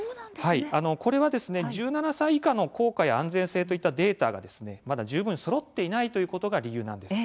これは中学生以下の効果や安全性といったデータがまだ十分そろっていないということが理由なんです。